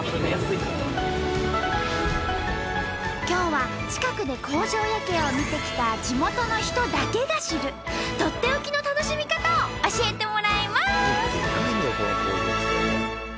今日は近くで工場夜景を見てきた地元の人だけが知るとっておきの楽しみかたを教えてもらいます！